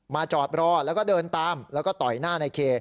จอดรอแล้วก็เดินตามแล้วก็ต่อยหน้าในเค